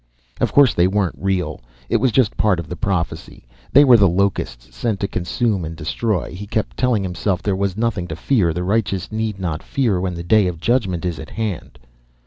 Of course they weren't real. It was just part of the prophecy, they were the locusts sent to consume and destroy. He kept telling himself there was nothing to fear; the righteous need not fear when the day of judgment is at hand.